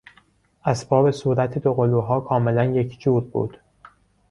اسباب صورت دوقلوها کاملا یکجور بود.